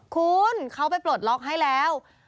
คุณเขาไปปลดล็อกให้แล้ว